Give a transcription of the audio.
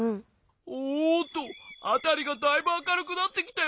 おっとあたりがだいぶあかるくなってきたよ。